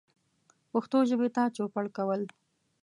پښتو ژبې ته چوپړ کول